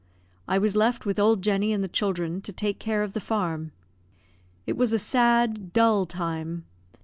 I was left with old Jenny and the children to take care of the farm. It was a sad, dull time.